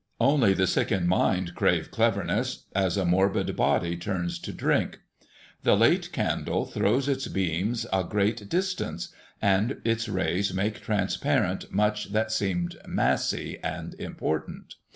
Only the sick in mind crave cleverness, as a morbid body turns to drink. The late candle throws its beams a great distance; and its rays make transparent much that seemed massy and important.